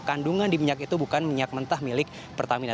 kandungan di minyak itu bukan minyak mentah milik pertamina